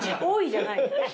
じゃない。